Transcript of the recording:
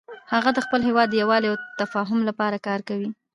هغه د خپل هیواد د یووالي او تفاهم لپاره کار کوي